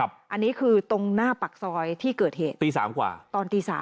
อันนี้คือตรงหน้าผักซอยที่เกิดเหตุตอนตี๓กว่า